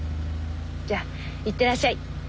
じゃあ行ってらっしゃい。